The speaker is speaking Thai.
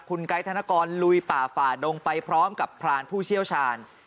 คุณไกด์ธนกรลุยป่าฝ่าดงไปพร้อมกับพรานผู้เชี่ยวชาญ